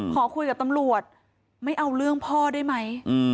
ขอคุยกับตำรวจไม่เอาเรื่องพ่อได้ไหม